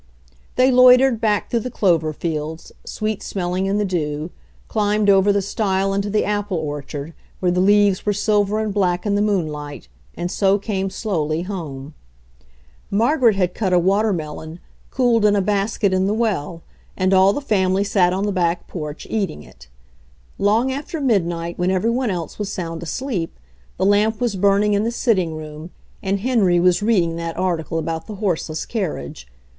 They loitered back through the clover fields, sweet smelling in the dew, climbed over the stile into the apple orchard, where the leaves were sil ver and black in the moonlight, and so came slowly home. Margaret had cut a watermelon, MAKING A FARM EFFICIENT 49 cooled in a basket in the well, and all the family sat on the back porch eating it. Long after midnight, when every one else was sound asleep, the lamp was burning in the sit ting room, and Henry was reading that article about the horseless carriage.